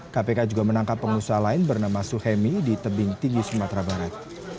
kpk juga menangkap pengusaha lain bernama suhemi di tebing tinggi sumatera barat